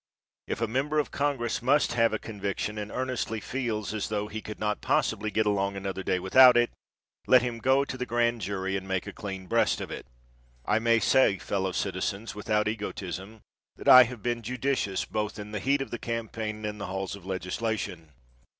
If a member of congress must have a conviction and earnestly feels as though he could not possibly get along another day without it, let him go to the grand jury and make a clean breast of it. I may say, fellow citizens, without egotism, that I have been judicious both in the heat of the campaign and in the halls of legislation.